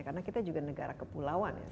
karena kita juga negara kepulauan